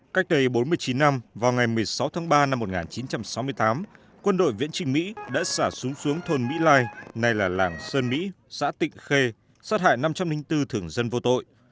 cách đây bốn mươi chín năm vào ngày một mươi sáu tháng ba năm một nghìn chín trăm sáu mươi tám quân đội viễn trình mỹ đã xả súng xuống thôn mỹ lai nay là làng sơn mỹ xã tịnh khê sát hại năm trăm linh bốn thường dân vô tội